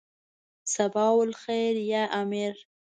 صباح الخیر یا امیر.